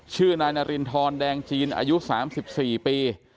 ชื่อนายนารินทรแดงจีนอายุ๓๔ปี